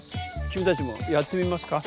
きみたちもやってみますか？